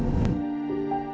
adiknya minta dukungan lu